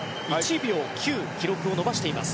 １秒９、記録を伸ばしています。